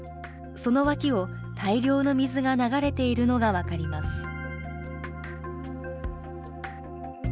その脇を大量の水が流れているのが分かります。